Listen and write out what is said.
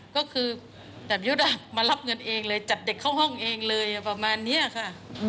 ก็คือดาบยุทธ์มารับเงินเองเลยจับเด็กเข้าห้องเองเลยประมาณนี้ค่ะ